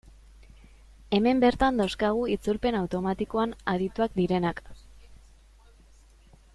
Hemen bertan dauzkagu itzulpen automatikoan adituak direnak.